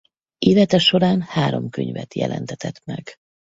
Élete során három könyvet jelentetett meg.